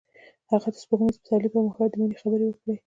هغه د سپوږمیز پسرلی پر مهال د مینې خبرې وکړې.